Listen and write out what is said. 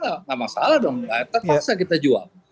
tidak masalah dong terpaksa kita jual